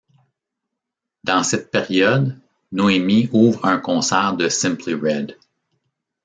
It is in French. Dans cette période, Noemi ouvre un concert de Simply Red.